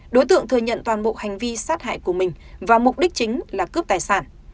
đối tượng thừa nhận toàn bộ hành vi sát hại của mình và mục đích chính là cướp tài sản